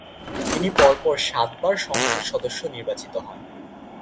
তিনি পরপর সাতবার সংসদ সদস্য নির্বাচিত হন।